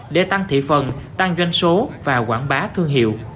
để tăng thị phần tăng doanh số và quảng bá thương hiệu